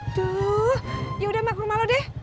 duh yaudah mak rumah lo deh